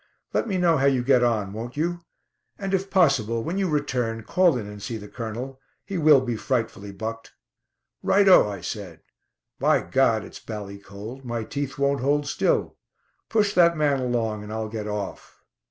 "Let me know how you get on, won't you? And, if possible, when you return call in and see the Colonel. He will be frightfully bucked." "Right o!" I said. "By Gad! it's bally cold. My teeth won't hold still. Push that man along, and I'll get off."